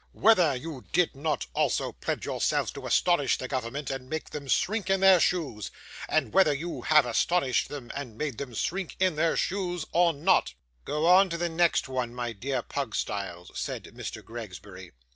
Whether you did not also pledge yourself to astonish the government, and make them shrink in their shoes? And whether you have astonished them, and made them shrink in their shoes, or not?' 'Go on to the next one, my dear Pugstyles,' said Mr. Gregsbury.